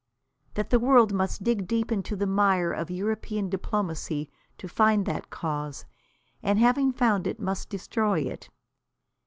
That the world must dig deep into the mire of European diplomacy to find that cause, and having found it must destroy it.